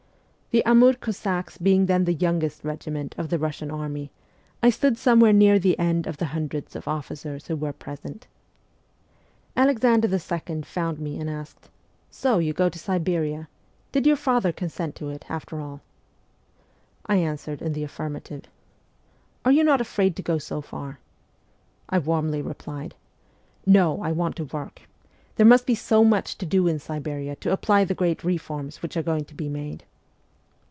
The Amur Cos sacks being then the youngest regiment of the Eussian army, I stood somewhere near the end of the hundreds of officers who were present. Alexander II. found me and asked, ' So you go to Siberia ? Did your father consent to it, after all ?' I answered in the affirmative. ' Are you not afraid to go so far ?' I warmly replied :' No, I want to work. There must be so much to do in Siberia to apply the great reforms which are going to be made.'